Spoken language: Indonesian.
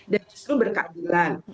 dan justru berkeadilan